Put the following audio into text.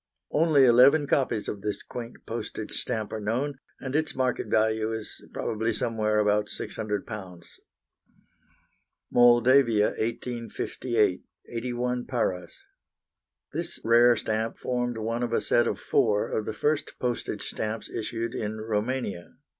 Only eleven copies of this quaint postage stamp are known, and its market value is probably somewhere about £600. Moldavia, 1858, 81 paras. This rare stamp formed one of a set of four of the first postage stamps issued in Roumania.